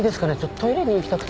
トイレに行きたくて。